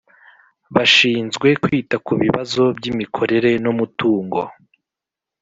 Bashinzwe kwita ku bibazo by’imikorere n’umutungo